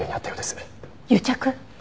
癒着？